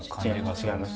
違います